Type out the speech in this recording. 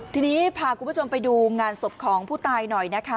ทีนี้พาคุณผู้ชมไปดูงานศพของผู้ตายหน่อยนะคะ